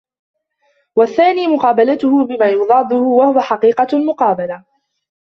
وَالثَّانِي مُقَابَلَتُهُ بِمَا يُضَادُّهُ وَهُوَ حَقِيقَةُ الْمُقَابَلَةِ